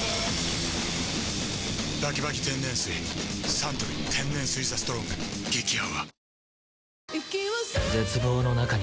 サントリー天然水「ＴＨＥＳＴＲＯＮＧ」激泡［今回は］